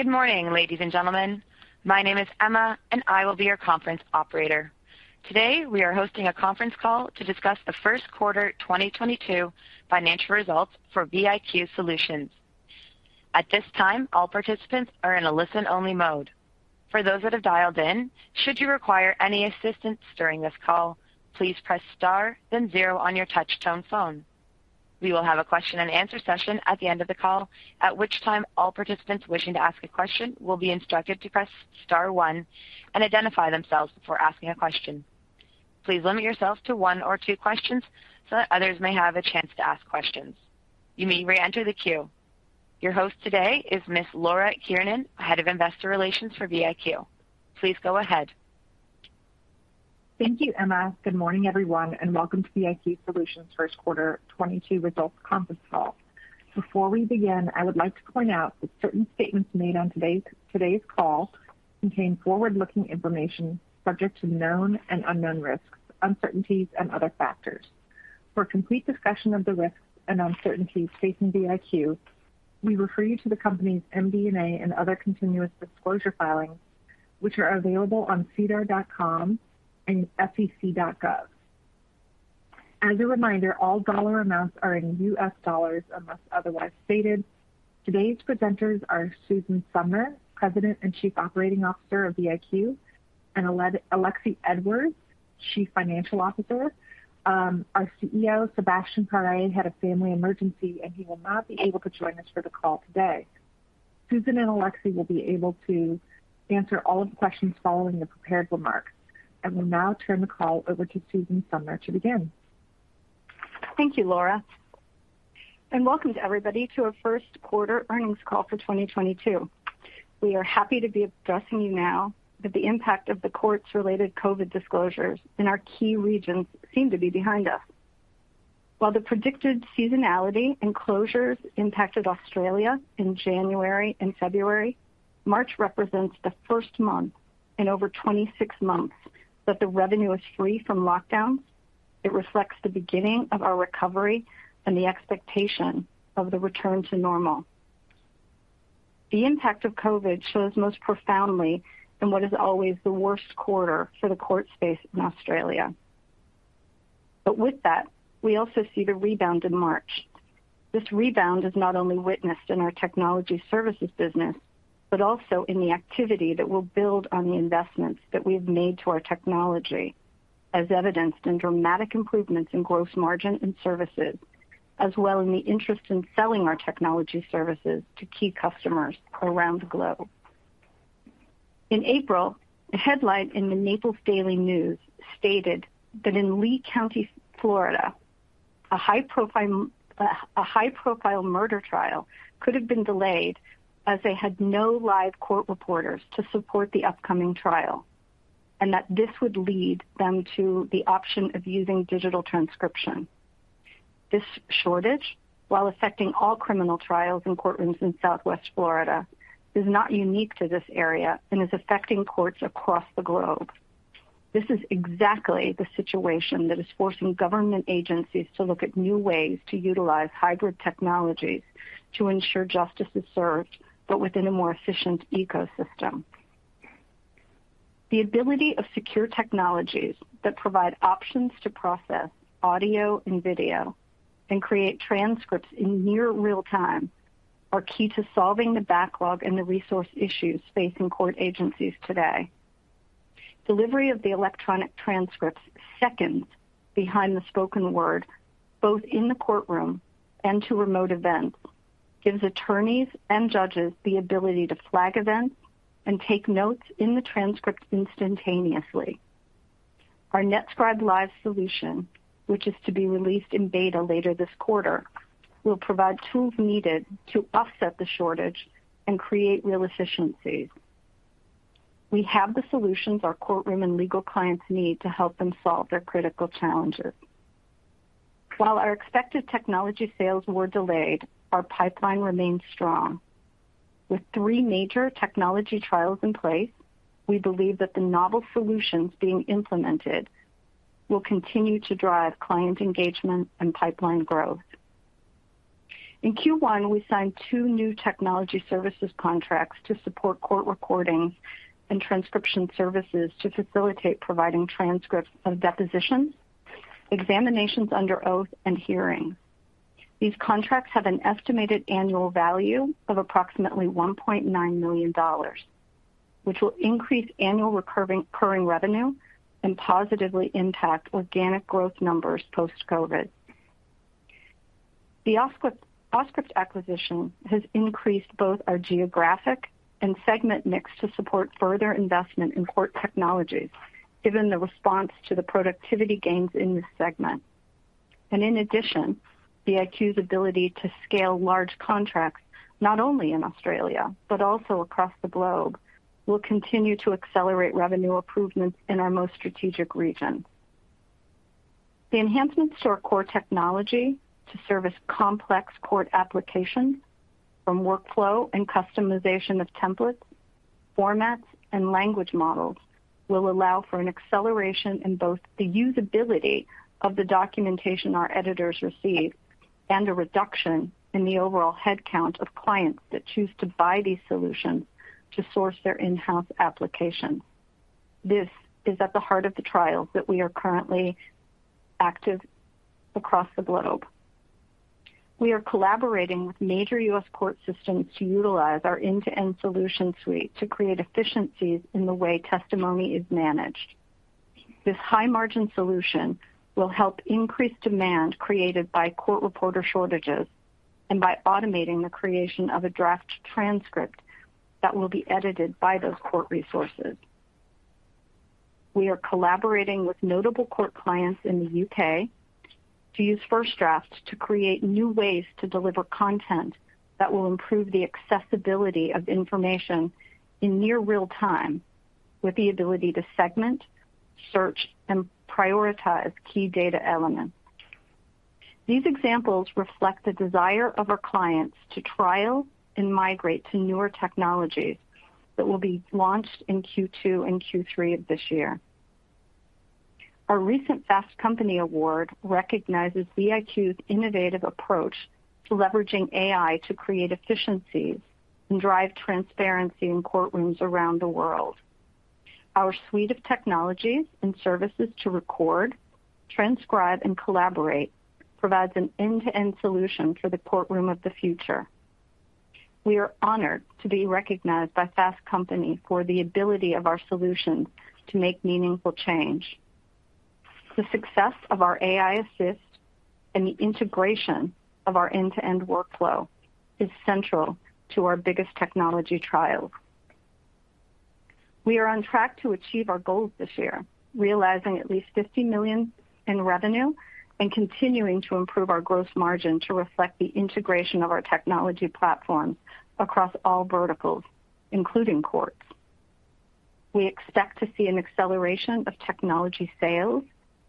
Good morning, ladies and gentlemen. My name is Emma and I will be your conference operator. Today, we are hosting a conference call to discuss the first quarter 2022 financial results for VIQ Solutions. At this time, all participants are in a listen-only mode. For those that have dialed in, should you require any assistance during this call, please press star then zero on your touch-tone phone. We will have a question and answer session at the end of the call, at which time all participants wishing to ask a question will be instructed to press star one and identify themselves before asking a question. Please limit yourself to one or two questions so that others may have a chance to ask questions. You may re-enter the queue. Your host today is Ms. Laura Kiernan, Head of Investor Relations for VIQ. Please go ahead. Thank you, Emma. Good morning, everyone, and welcome to VIQ Solutions first quarter 2022 results conference call. Before we begin, I would like to point out that certain statements made on today's call contain forward-looking information subject to known and unknown risks, uncertainties and other factors. For a complete discussion of the risks and uncertainties facing VIQ, we refer you to the company's MD&A and other continuous disclosure filings, which are available on sedar.com and sec.gov. As a reminder, all dollar amounts are in U.S. dollars unless otherwise stated. Today's presenters are Susan Sumner, President and Chief Operating Officer of VIQ, and Alexie Edwards, Chief Financial Officer. Our CEO, Sebastien Paré, had a family emergency, and he will not be able to join us for the call today. Susan and Alexie will be able to answer all the questions following the prepared remarks. I will now turn the call over to Susan Sumner to begin. Thank you, Laura, and welcome to everybody to our first quarter earnings call for 2022. We are happy to be addressing you now that the impact of the courts related COVID disclosures in our key regions seem to be behind us. While the predicted seasonality and closures impacted Australia in January and February, March represents the first month in over 26 months that the revenue is free from lockdowns. It reflects the beginning of our recovery and the expectation of the return to normal. The impact of COVID shows most profoundly in what is always the worst quarter for the court space in Australia. With that, we also see the rebound in March. This rebound is not only witnessed in our technology services business, but also in the activity that will build on the investments that we have made to our technology, as evidenced in dramatic improvements in gross margin and services, as well in the interest in selling our technology services to key customers around the globe. In April, a headline in the Naples Daily News stated that in Lee County, Florida, a high-profile murder trial could have been delayed as they had no live court reporters to support the upcoming trial, and that this would lead them to the option of using digital transcription. This shortage, while affecting all criminal trials in courtrooms in Southwest Florida, is not unique to this area and is affecting courts across the globe. This is exactly the situation that is forcing government agencies to look at new ways to utilize hybrid technologies to ensure justice is served, but within a more efficient ecosystem. The ability of secure technologies that provide options to process audio and video and create transcripts in near real time are key to solving the backlog and the resource issues facing court agencies today. Delivery of the electronic transcripts seconds behind the spoken word, both in the courtroom and to remote events, gives attorneys and judges the ability to flag events and take notes in the transcripts instantaneously. Our NetScribe Live solution, which is to be released in beta later this quarter, will provide tools needed to offset the shortage and create real efficiencies. We have the solutions our courtroom and legal clients need to help them solve their critical challenges. While our expected technology sales were delayed, our pipeline remains strong. With three major technology trials in place, we believe that the novel solutions being implemented will continue to drive client engagement and pipeline growth. In Q1, we signed two new technology services contracts to support court recording and transcription services to facilitate providing transcripts of depositions, examinations under oath, and hearing. These contracts have an estimated annual value of approximately $1.9 million, which will increase annual recurring revenue and positively impact organic growth numbers post-COVID. The Auscript acquisition has increased both our geographic and segment mix to support further investment in court technologies, given the response to the productivity gains in this segment. In addition, VIQ's ability to scale large contracts, not only in Australia, but also across the globe, will continue to accelerate revenue improvements in our most strategic regions. The enhancements to our core technology to service complex court applications from workflow and customization of templates, formats and language models will allow for an acceleration in both the usability of the documentation our editors receive and a reduction in the overall head count of clients that choose to buy these solutions to source their in-house applications. This is at the heart of the trials that we are currently active across the globe. We are collaborating with major U.S. court systems to utilize our end-to-end solution suite to create efficiencies in the way testimony is managed. This high margin solution will help increase demand created by court reporter shortages and by automating the creation of a draft transcript that will be edited by those court resources. We are collaborating with notable court clients in the U.K. to use FirstDraft to create new ways to deliver content that will improve the accessibility of information in near real-time, with the ability to segment, search, and prioritize key data elements. These examples reflect the desire of our clients to trial and migrate to newer technologies that will be launched in Q2 and Q3 of this year. Our recent Fast Company Award recognizes VIQ's innovative approach to leveraging AI to create efficiencies and drive transparency in courtrooms around the world. Our suite of technologies and services to record, transcribe, and collaborate provides an end-to-end solution for the courtroom of the future. We are honored to be recognized by Fast Company for the ability of our solutions to make meaningful change. The success of our aiAssist and the integration of our end-to-end workflow is central to our biggest technology trials. We are on track to achieve our goals this year, realizing at least $50 million in revenue and continuing to improve our gross margin to reflect the integration of our technology platforms across all verticals, including courts. We expect to see an acceleration of technology sales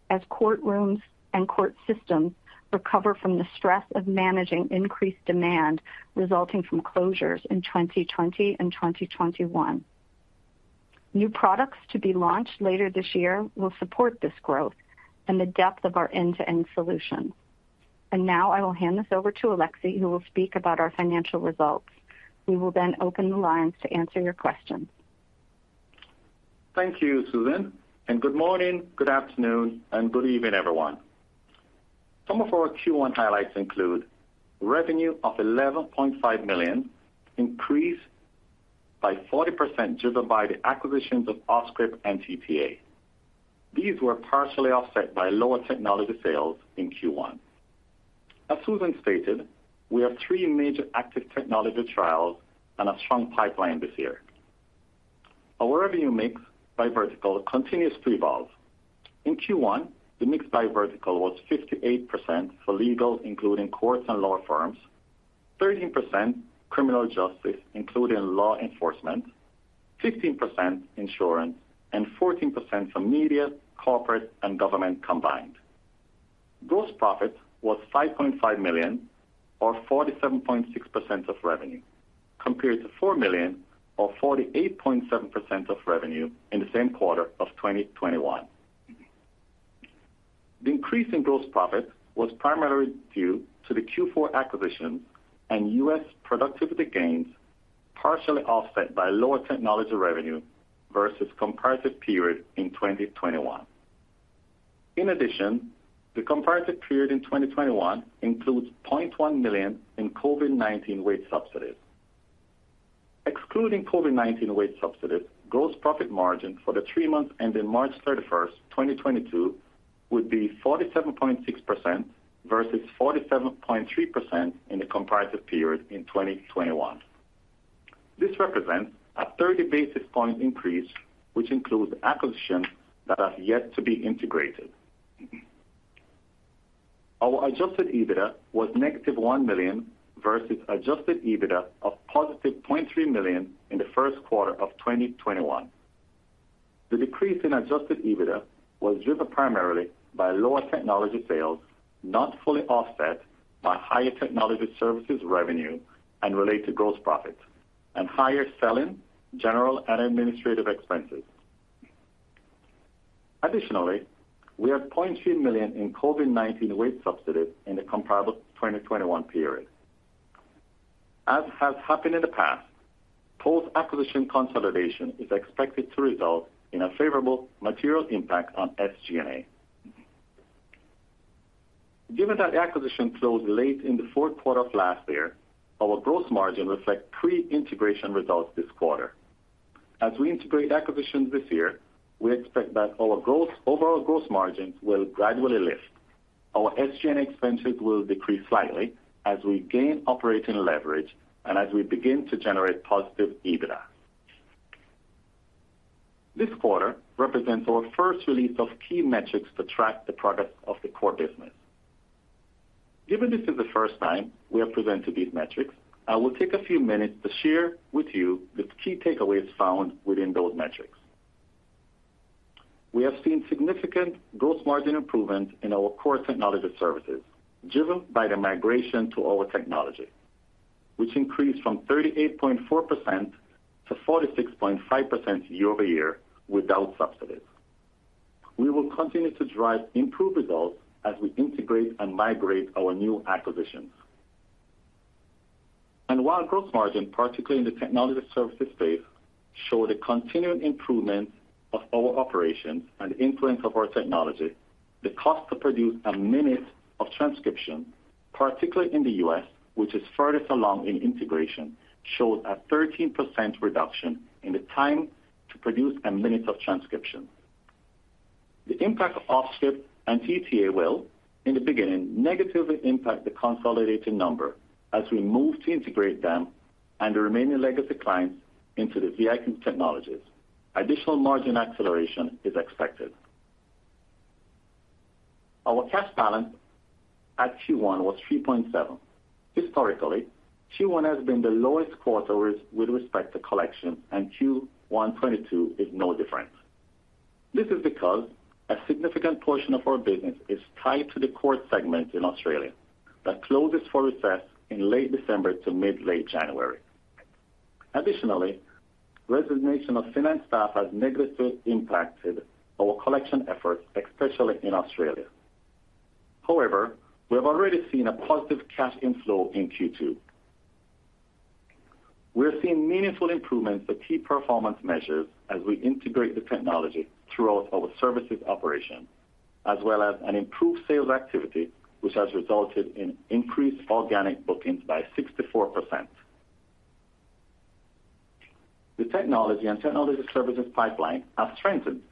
as courtrooms and court systems recover from the stress of managing increased demand resulting from closures in 2020 and 2021. New products to be launched later this year will support this growth and the depth of our end-to-end solutions. Now I will hand this over to Alexie, who will speak about our financial results. We will then open the lines to answer your questions. Thank you, Susan, and good morning, good afternoon, and good evening, everyone. Some of our Q1 highlights include revenue of $11.5 million, increased by 40% driven by the acquisitions of Auscript and TTA. These were partially offset by lower technology sales in Q1. As Susan stated, we have three major active technology trials and a strong pipeline this year. Our revenue mix by vertical continues to evolve. In Q1, the mix by vertical was 58% for legal, including courts and law firms, 13% criminal justice, including law enforcement, 15% insurance, and 14% for media, corporate, and government combined. Gross profit was $5.5 million or 47.6% of revenue, compared to $4 million or 48.7% of revenue in the same quarter of 2021. The increase in gross profit was primarily due to the Q4 acquisitions and U.S. productivity gains, partially offset by lower technology revenue versus comparative period in 2021. In addition, the comparative period in 2021 includes $0.1 million in COVID-19 wage subsidies. Excluding COVID-19 wage subsidies, gross profit margin for the three months ending March 31, 2022 would be 47.6% versus 47.3% in the comparative period in 2021. This represents a 30 basis points increase, which includes acquisitions that are yet to be integrated. Our adjusted EBITDA was -$1 million versus adjusted EBITDA of $0.3 million in the first quarter of 2021. The decrease in adjusted EBITDA was driven primarily by lower technology sales, not fully offset by higher technology services revenue and related gross profit, and higher selling, general, and administrative expenses. Additionally, we had $0.2 million in COVID-19 wage subsidies in the comparable 2021 period. As has happened in the past, post-acquisition consolidation is expected to result in a favorable material impact on SG&A. Given that the acquisition closed late in the fourth quarter of last year, our gross margins reflect pre-integration results this quarter. As we integrate acquisitions this year, we expect that our overall gross margins will gradually lift. Our SG&A expenses will decrease slightly as we gain operating leverage and as we begin to generate positive EBITDA. This quarter represents our first release of key metrics to track the progress of the core business. Given this is the first time we have presented these metrics, I will take a few minutes to share with you the key takeaways found within those metrics. We have seen significant gross margin improvement in our core technology services, driven by the migration to our technology, which increased from 38.4% to 46.5% year-over-year without subsidies. We will continue to drive improved results as we integrate and migrate our new acquisitions. While gross margin, particularly in the technology services space, show the continued improvement of our operations and influence of our technology, the cost to produce a minute of transcription, particularly in the U.S., which is furthest along in integration, showed a 13% reduction in the time to produce a minute of transcription. The impact of Auscript and TTA will, in the beginning, negatively impact the consolidated number as we move to integrate them and the remaining legacy clients into the VIQ technologies. Additional margin acceleration is expected. Our cash balance at Q1 was $3.7 million. Historically, Q1 has been the lowest quarter with respect to collection, and Q1 2022 is no different. This is because a significant portion of our business is tied to the court segment in Australia that closes for recess in late December to mid-late January. Additionally, resignation of finance staff has negatively impacted our collection efforts, especially in Australia. However, we have already seen a positive cash inflow in Q2. We're seeing meaningful improvements to key performance measures as we integrate the technology throughout our services operation, as well as an improved sales activity, which has resulted in increased organic bookings by 64%. The technology and technology services pipeline have strengthened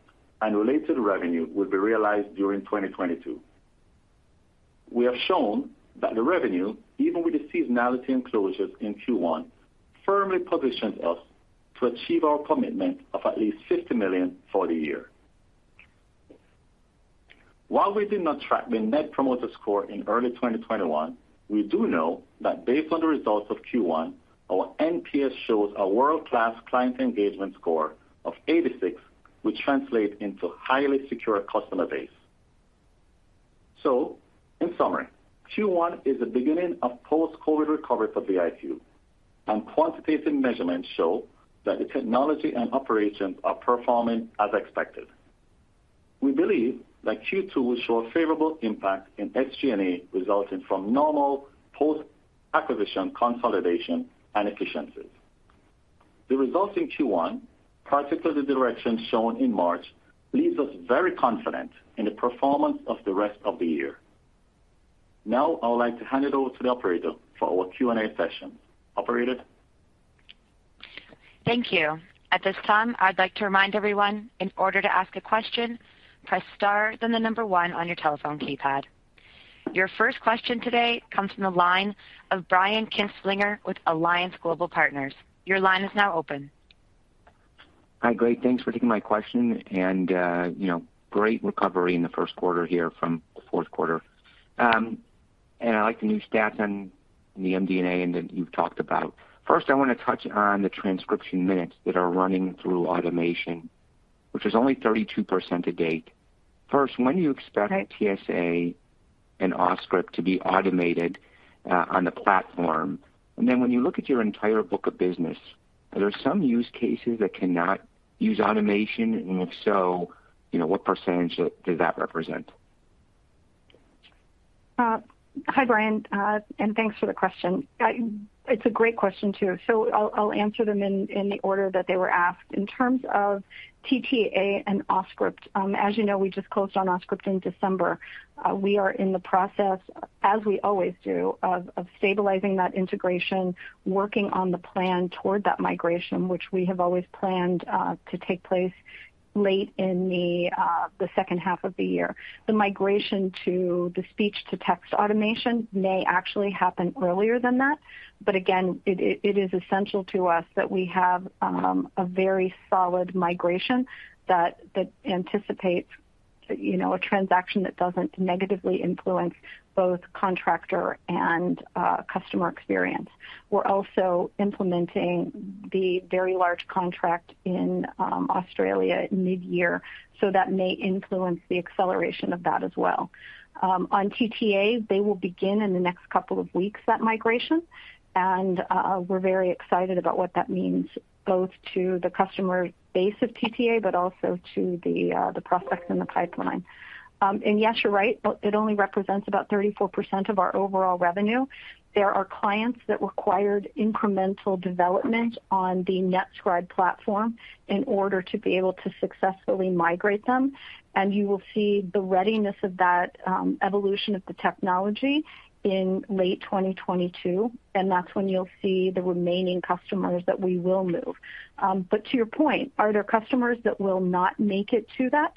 and related revenue will be realized during 2022. We have shown that the revenue, even with the seasonality and closures in Q1, firmly positions us to achieve our commitment of at least $50 million for the year. While we did not track the net promoter score in early 2021, we do know that based on the results of Q1, our NPS shows a world-class client engagement score of 86, which translate into highly secure customer base. In summary, Q1 is the beginning of post-COVID-19 recovery for VIQ, and quantitative measurements show that the technology and operations are performing as expected. We believe that Q2 will show a favorable impact in SG&A resulting from normal post-acquisition consolidation and efficiencies. The results in Q1, particularly the direction shown in March, leaves us very confident in the performance of the rest of the year. Now, I would like to hand it over to the operator for our Q&A session. Operator? Thank you. At this time, I'd like to remind everyone, in order to ask a question, press star then the number one on your telephone keypad. Your first question today comes from the line of Brian Kinstlinger with Alliance Global Partners. Your line is now open. Hi, great. Thanks for taking my question and, you know, great recovery in the first quarter here from the fourth quarter. I like the new stats on the MD&A and that you've talked about. First, I wanna touch on the transcription minutes that are running through automation, which is only 32% to date. First, when do you expect TTA and Auscript to be automated on the platform? And then when you look at your entire book of business, are there some use cases that cannot use automation? And if so, you know, what percentage does that represent? Hi, Brian, and thanks for the question. It's a great question, too. I'll answer them in the order that they were asked. In terms of TTA and Auscript, as you know, we just closed on Auscript in December. We are in the process, as we always do, of stabilizing that integration, working on the plan toward that migration, which we have always planned to take place late in the second half of the year. The migration to the speech-to-text automation may actually happen earlier than that. Again, it is essential to us that we have a very solid migration that anticipates, you know, a transaction that doesn't negatively influence both contractor and customer experience. We're also implementing the very large contract in Australia mid-year, so that may influence the acceleration of that as well. On TTA, they will begin in the next couple of weeks, that migration. We're very excited about what that means, both to the customer base of TTA, but also to the prospects in the pipeline. Yes, you're right, it only represents about 34% of our overall revenue. There are clients that required incremental development on the NetScribe platform in order to be able to successfully migrate them. You will see the readiness of that evolution of the technology in late 2022, and that's when you'll see the remaining customers that we will move. To your point, are there customers that will not make it to that?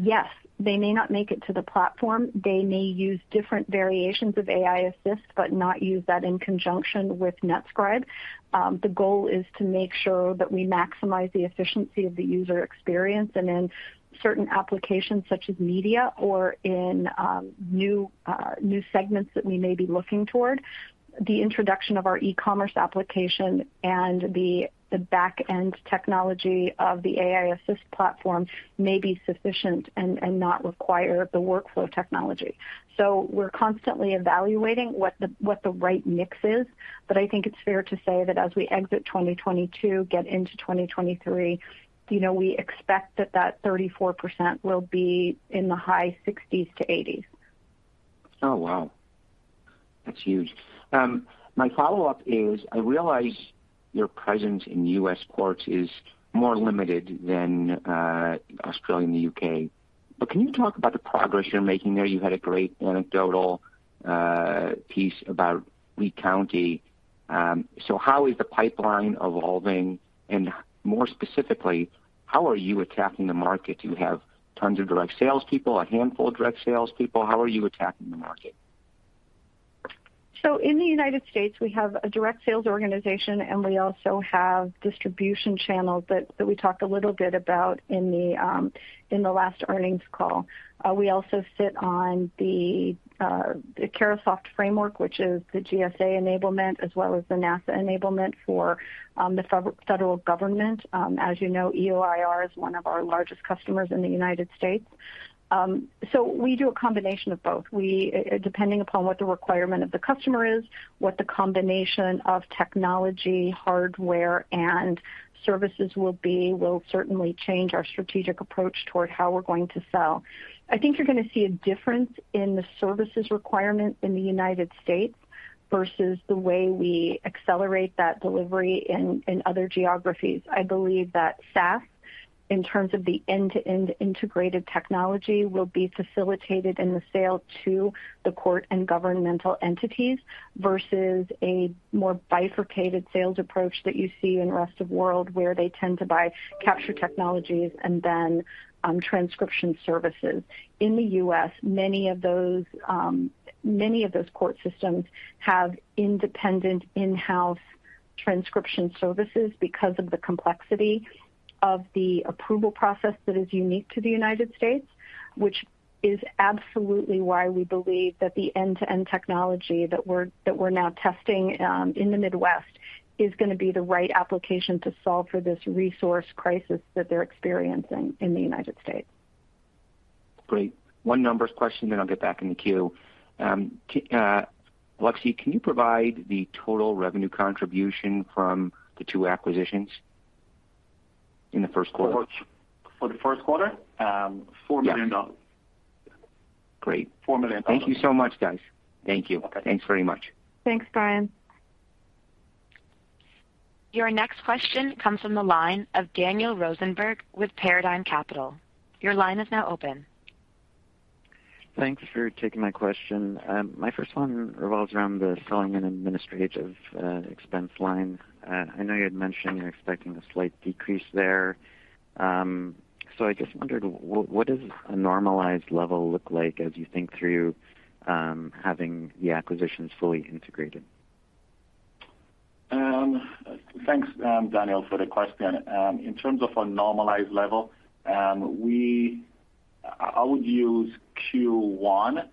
Yes. They may not make it to the platform. They may use different variations of aiAssist, but not use that in conjunction with NetScribe. The goal is to make sure that we maximize the efficiency of the user experience and in certain applications such as media or in new segments that we may be looking toward. The introduction of our e-commerce application and the back-end technology of the aiAssist platform may be sufficient and not require the workflow technology. We're constantly evaluating what the right mix is, but I think it's fair to say that as we exit 2022, get into 2023, you know, we expect that 34% will be in the high 60%-80%. Oh, wow. That's huge. My follow-up is, I realize your presence in U.S. courts is more limited than Australia and the U.K. Can you talk about the progress you're making there? You had a great anecdotal piece about Lee County. So how is the pipeline evolving? And more specifically, how are you attacking the market? Do you have tons of direct salespeople, a handful of direct salespeople? How are you attacking the market? In the United States, we have a direct sales organization, and we also have distribution channels that we talked a little bit about in the last earnings call. We also sit on the Carahsoft framework, which is the GSA enablement, as well as the NASA enablement for the federal government. As you know, EOIR is one of our largest customers in the United States. We do a combination of both. We depending upon what the requirement of the customer is, what the combination of technology, hardware, and services will be, will certainly change our strategic approach toward how we're going to sell. I think you're gonna see a difference in the services requirement in the United States versus the way we accelerate that delivery in other geographies. I believe that SaaS, in terms of the end-to-end integrated technology, will be facilitated in the sale to the court and governmental entities versus a more bifurcated sales approach that you see in rest of world, where they tend to buy capture technologies and then, transcription services. In the U.S., many of those court systems have independent in-house transcription services because of the complexity of the approval process that is unique to the United States, which is absolutely why we believe that the end-to-end technology that we're now testing in the Midwest is gonna be the right application to solve for this resource crisis that they're experiencing in the United States. Great. One numbers question, then I'll get back in the queue. Alexie, can you provide the total revenue contribution from the two acquisitions in the first quarter? For the first quarter? Yeah. $4 million. Great. $4 million. Thank you so much, guys. Thank you. Okay. Thanks very much. Thanks, Brian. Your next question comes from the line of Daniel Rosenberg with Paradigm Capital. Your line is now open. Thanks for taking my question. My first one revolves around the selling and administrative expense line. I know you had mentioned you're expecting a slight decrease there. I just wondered, what does a normalized level look like as you think through having the acquisitions fully integrated? Thanks, Daniel, for the question. In terms of a normalized level, I would use Q1.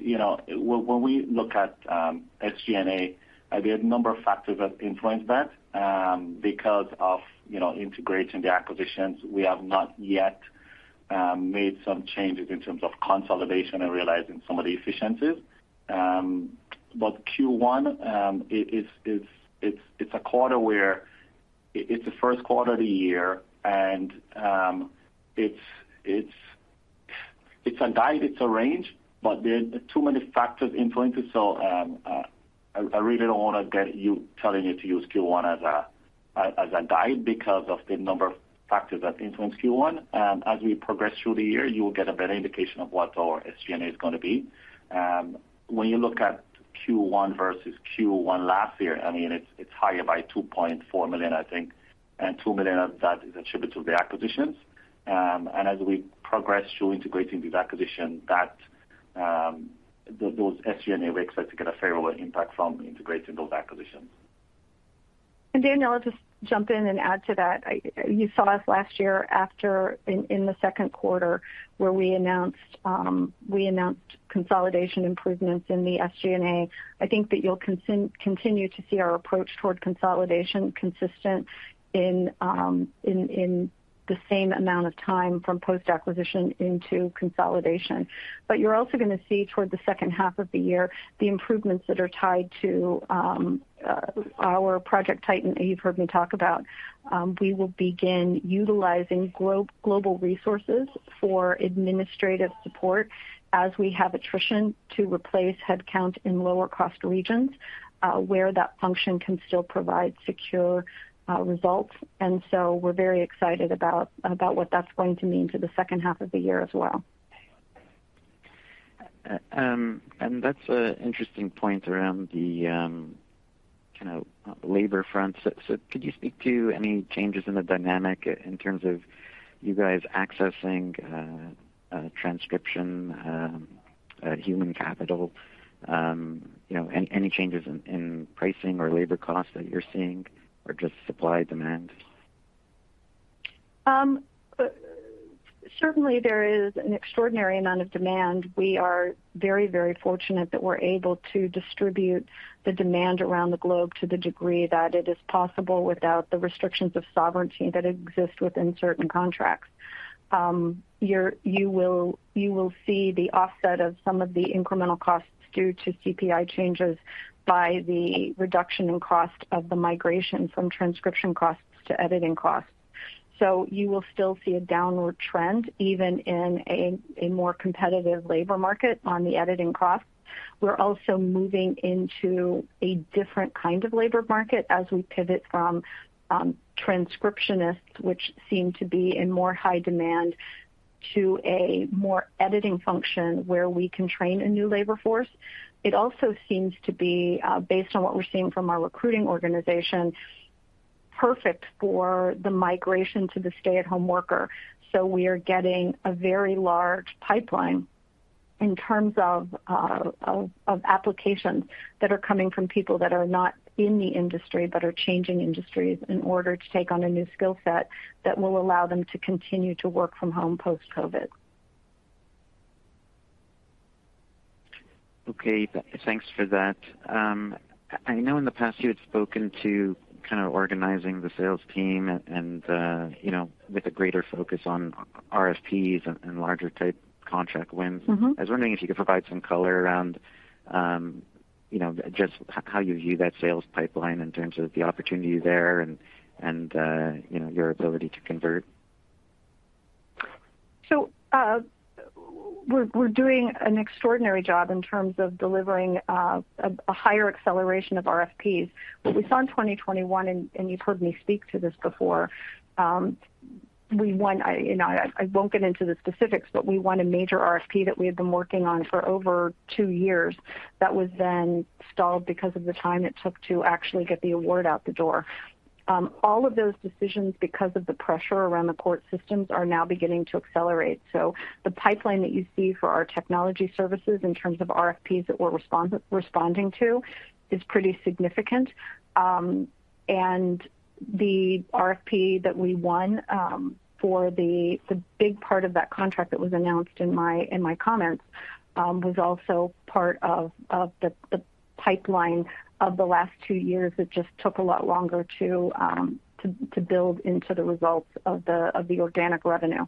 You know, when we look at SG&A, there are a number of factors that influence that. Because of, you know, integrating the acquisitions, we have not yet made some changes in terms of consolidation and realizing some of the efficiencies. Q1, it's a quarter where it's the first quarter of the year and, it's a guide, it's a range, but there are too many factors influencing. I really don't want to tell you to use Q1 as a guide because of the number of factors that influence Q1. As we progress through the year, you will get a better indication of what our SG&A is gonna be. When you look at Q1 versus Q1 last year, I mean, it's higher by $2.4 million, I think, and $2 million of that is attributed to the acquisitions. As we progress through integrating these acquisitions, that, those SG&A, we expect to get a favorable impact from integrating those acquisitions. Daniel, I'll just jump in and add to that. You saw us last year after in the second quarter where we announced consolidation improvements in the SG&A. I think that you'll continue to see our approach toward consolidation consistent in the same amount of time from post-acquisition into consolidation. You're also gonna see toward the second half of the year the improvements that are tied to our Project Titan that you've heard me talk about. We will begin utilizing global resources for administrative support as we have attrition to replace headcount in lower cost regions, where that function can still provide secure results. We're very excited about what that's going to mean to the second half of the year as well. That's an interesting point around the, you know, labor front. Could you speak to any changes in the dynamic in terms of you guys accessing transcription, human capital, you know, any changes in pricing or labor costs that you're seeing, or just supply demand? Certainly there is an extraordinary amount of demand. We are very, very fortunate that we're able to distribute the demand around the globe to the degree that it is possible without the restrictions of sovereignty that exist within certain contracts. You will see the offset of some of the incremental costs due to CPI changes by the reduction in cost of the migration from transcription costs to editing costs. You will still see a downward trend, even in a more competitive labor market on the editing costs. We're also moving into a different kind of labor market as we pivot from transcriptionists, which seem to be in higher demand, to a more editing function where we can train a new labor force. It also seems to be based on what we're seeing from our recruiting organization, perfect for the migration to the stay-at-home worker. We are getting a very large pipeline in terms of applications that are coming from people that are not in the industry but are changing industries in order to take on a new skill set that will allow them to continue to work from home post-COVID. Okay, thanks for that. I know in the past you had spoken to kind of organizing the sales team and you know, with a greater focus on RFPs and larger type contract wins. I was wondering if you could provide some color around, you know, just how you view that sales pipeline in terms of the opportunity there and you know, your ability to convert. We're doing an extraordinary job in terms of delivering a higher acceleration of RFPs. What we saw in 2021, and you've heard me speak to this before, we won. You know, I won't get into the specifics, but we won a major RFP that we had been working on for over two years that was then stalled because of the time it took to actually get the award out the door. All of those decisions, because of the pressure around the court systems, are now beginning to accelerate. The pipeline that you see for our technology services in terms of RFPs that we're responding to is pretty significant. The RFP that we won for the big part of that contract that was announced in my comments was also part of the pipeline of the last two years. It just took a lot longer to build into the results of the organic revenue.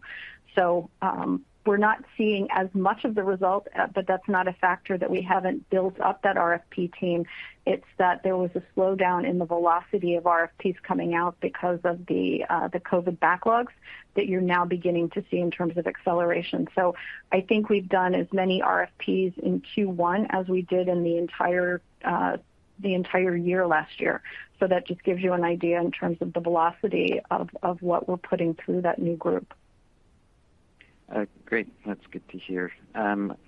We're not seeing as much of the result, but that's not a factor that we haven't built up that RFP team. It's that there was a slowdown in the velocity of RFPs coming out because of the COVID backlogs that you're now beginning to see in terms of acceleration. I think we've done as many RFPs in Q1 as we did in the entire year last year. That just gives you an idea in terms of the velocity of what we're putting through that new group. Great. That's good to hear.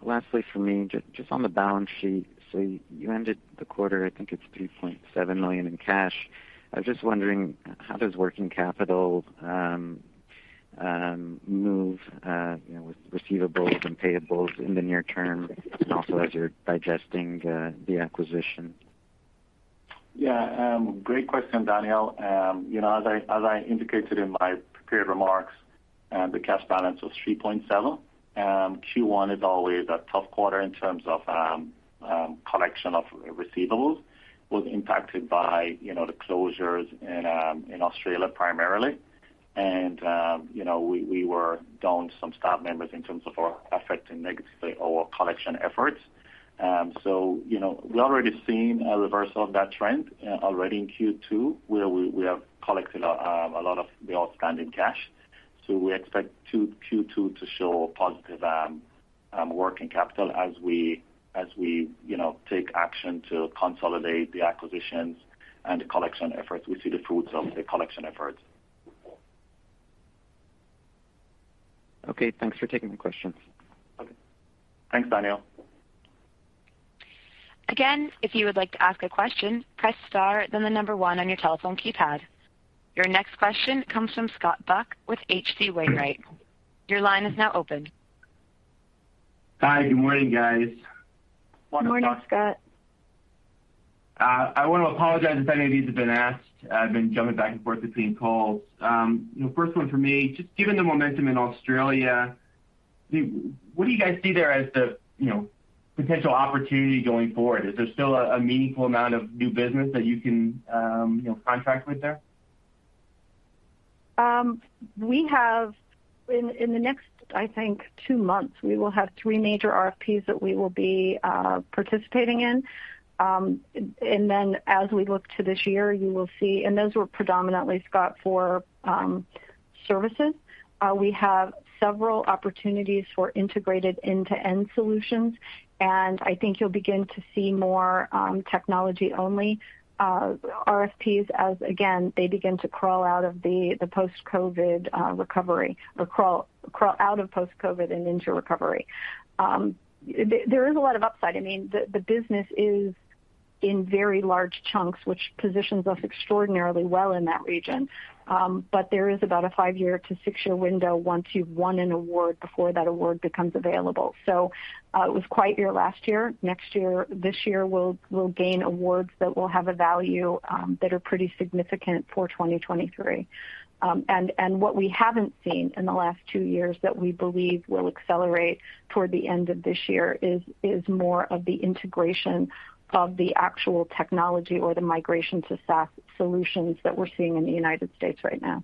Lastly for me, just on the balance sheet. You ended the quarter, I think it's $3.7 million in cash. I was just wondering, how does working capital move with receivables and payables in the near term, and also as you're digesting the acquisition? Yeah, great question, Daniel. You know, as I indicated in my prepared remarks, the cash balance was $3.7. Q1 is always a tough quarter in terms of collection of receivables, was impacted by, you know, the closures in Australia primarily. You know, we were down some staff members in terms of our affecting negatively our collection efforts. You know, we're already seeing a reversal of that trend already in Q2, where we have collected a lot of the outstanding cash. We expect Q2 to show positive working capital as we, you know, take action to consolidate the acquisitions and the collection efforts. We see the fruits of the collection efforts. Okay, thanks for taking the questions. Okay. Thanks, Daniel. Again, if you would like to ask a question, press star then the number one on your telephone keypad. Your next question comes from Scott Buck with H.C. Wainwright & Co. Your line is now open. Hi, good morning, guys. Good morning, Scott. I wanna apologize if any of these have been asked. I've been jumping back and forth between calls. You know, first one for me, just given the momentum in Australia, what do you guys see there as the, you know, potential opportunity going forward? Is there still a meaningful amount of new business that you can, you know, contract with there? In the next, I think, two months, we will have three major RFPs that we will be participating in. Then as we look to this year, you will see those were predominantly, Scott, for services. We have several opportunities for integrated end-to-end solutions, and I think you'll begin to see more technology-only RFPs as, again, they begin to crawl out of the post-COVID recovery or crawl out of post-COVID and into recovery. There is a lot of upside. I mean, the business is in very large chunks, which positions us extraordinarily well in that region. There is about a five year to six year window once you've won an award before that award becomes available. It was quite a year last year. This year, we'll gain awards that will have a value that are pretty significant for 2023. What we haven't seen in the last two years that we believe will accelerate toward the end of this year is more of the integration of the actual technology or the migration to SaaS solutions that we're seeing in the United States right now.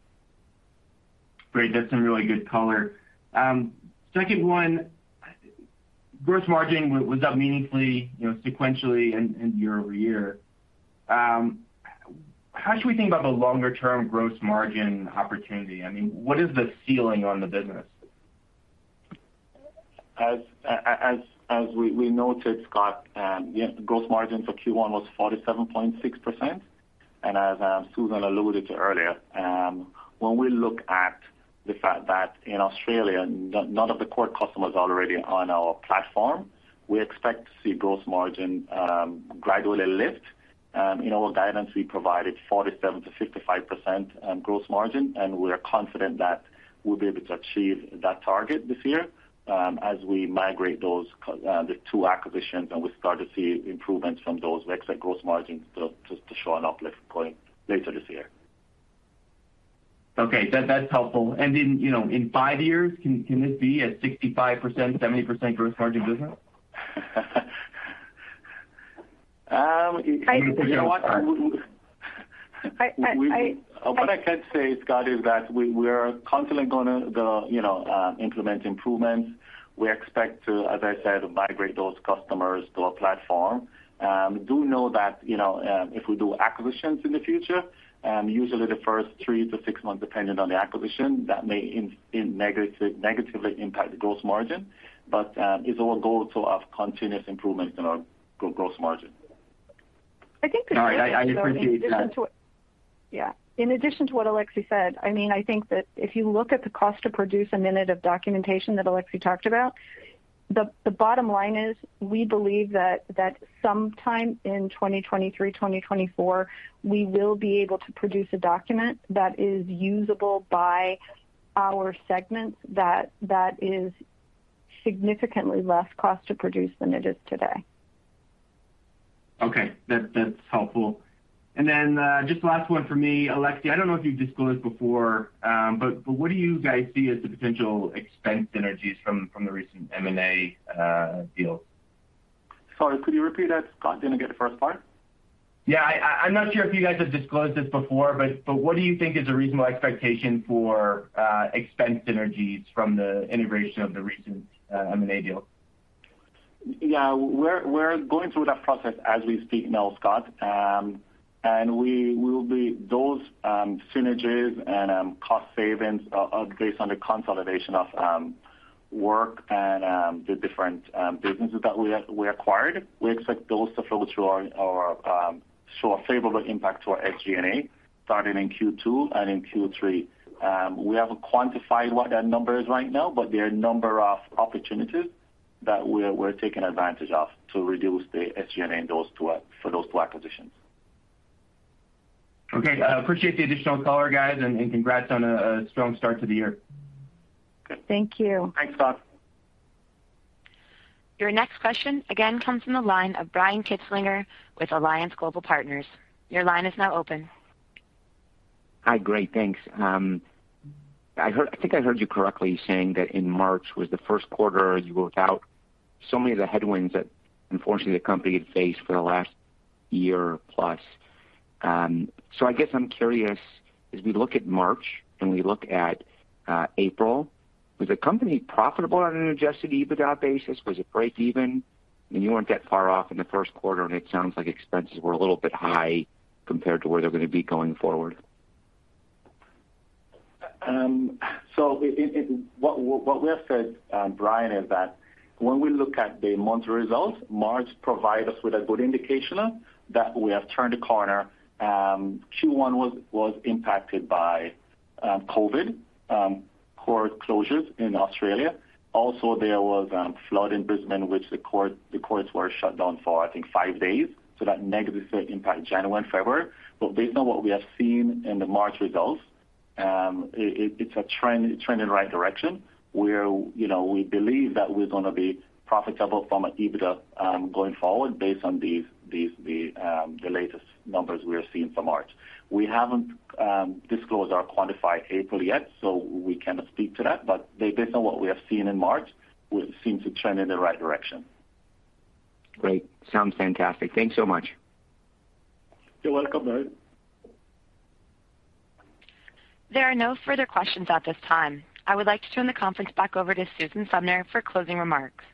Great. That's some really good color. Second one. Gross margin was up meaningfully, you know, sequentially and year-over-year. How should we think about the longer-term gross margin opportunity? I mean, what is the ceiling on the business? As we noted, Scott, gross margin for Q1 was 47.6%. As Susan alluded to earlier, when we look at the fact that in Australia none of the core customers are already on our platform, we expect to see gross margin gradually lift. In our guidance, we provided 47%-55% gross margin, and we are confident that we'll be able to achieve that target this year, as we migrate the two acquisitions and we start to see improvements from those. We expect gross margins to show an uplift going later this year. Okay. That's helpful. You know, in five years, can this be a 65%, 70% gross margin business? You know what? What I can say, Scott, is that we are constantly gonna, you know, implement improvements. We expect to, as I said, migrate those customers to our platform. You know that, you know, if we do acquisitions in the future, usually the first 3-6 months, depending on the acquisition, that may negatively impact the gross margin. It's our goal to have continuous improvements in our gross margin. I think. No, I appreciate that. Yeah. In addition to what Alexie said, I mean, I think that if you look at the cost to produce a minute of documentation that Alexie talked about, the bottom line is we believe that sometime in 2023, 2024, we will be able to produce a document that is usable by our segments that is significantly less cost to produce than it is today. Okay. That's helpful. Then, just last one for me. Alexie, I don't know if you've disclosed before, but what do you guys see as the potential expense synergies from the recent M&A deal? Sorry, could you repeat that, Scott? Didn't get the first part. Yeah. I'm not sure if you guys have disclosed this before, but what do you think is a reasonable expectation for expense synergies from the integration of the recent M&A deal? We're going through that process as we speak now, Scott. Those synergies and cost savings are based on the consolidation of work and the different businesses that we acquired. We expect those to flow through and show a favorable impact to our SG&A starting in Q2 and in Q3. We haven't quantified what that number is right now, but there are a number of opportunities that we're taking advantage of to reduce the SG&A in those two acquisitions. Okay. I appreciate the additional color, guys, and congrats on a strong start to the year. Good. Thank you. Thanks, Scott. Your next question again comes from the line of Brian Kinstlinger with Alliance Global Partners. Your line is now open. Hi. Great. Thanks. I think I heard you correctly saying that in March was the first quarter you worked out so many of the headwinds that unfortunately the company had faced for the last year plus. So I guess I'm curious, as we look at March and we look at April, was the company profitable on an adjusted EBITDA basis? Was it break even? I mean, you weren't that far off in the first quarter, and it sounds like expenses were a little bit high compared to where they're gonna be going forward. What we have said, Brian, is that when we look at the monthly results, March provides us with a good indication that we have turned a corner. Q1 was impacted by COVID, court closures in Australia. Also, there was a flood in Brisbane, which the courts were shut down for, I think, five days. That negatively impact January and February. Based on what we have seen in the March results, it's a trend in the right direction where, you know, we believe that we're gonna be profitable from an EBITDA going forward based on these, the latest numbers we are seeing for March. We haven't disclosed or quantified April yet, so we cannot speak to that. Based on what we have seen in March, we seem to trend in the right direction. Great. Sounds fantastic. Thanks so much. You're welcome, Brian. There are no further questions at this time. I would like to turn the conference back over to Susan Sumner for closing remarks.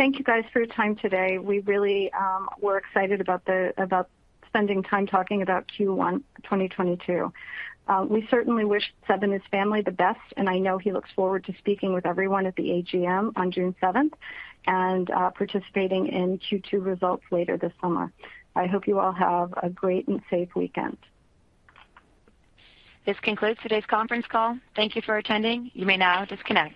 Thank you guys for your time today. We're really excited about spending time talking about Q1 2022. We certainly wish Seb and his family the best, and I know he looks forward to speaking with everyone at the AGM on June seventh and participating in Q2 results later this summer. I hope you all have a great and safe weekend. This concludes today's conference call. Thank you for attending. You may now disconnect.